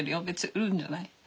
別に売るんじゃない。